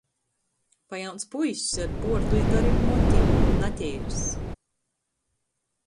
Pajauns puiss ar buordu i garim motim, nateirs.